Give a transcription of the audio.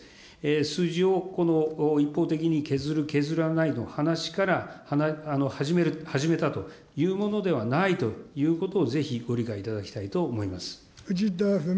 数字を一方的に削る、削らないの話から始めたというものではないということを、ぜひご理解いただきたいと思います。